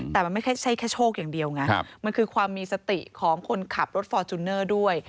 แต่มันไม่ใช่แค่โชคอย่างเดียวไงมันคือความมีสติของคนขับรถฟอร์จูเนอร์ด้วย